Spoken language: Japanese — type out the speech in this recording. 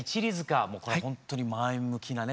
もうこれはほんとに前向きなね